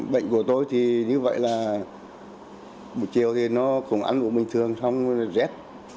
bệnh của tôi thì như vậy là một chiều thì nó cũng ăn bụng bình thường xong rồi nó rét